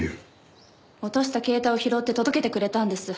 落とした携帯を拾って届けてくれたんです。